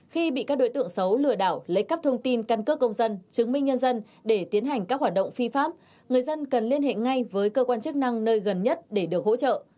khi bị các đối tượng xấu lừa đảo lấy cắp thông tin căn cước công dân chứng minh nhân dân để tiến hành các hoạt động phi pháp người dân cần liên hệ ngay với cơ quan chức năng nơi gần nhất để được hỗ trợ